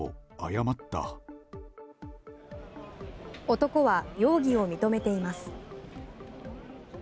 男は容疑を認めています。